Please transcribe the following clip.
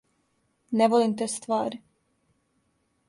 Не волим те ствари.